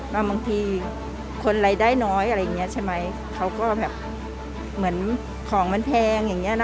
ว่าบางทีคนไร้ได้น้อยของมันแพง